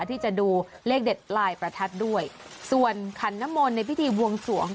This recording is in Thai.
ที่จะดูเลขเด็ดลายประทัดด้วยส่วนขันนมลในพิธีบวงสวง